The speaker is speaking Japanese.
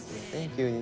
急に。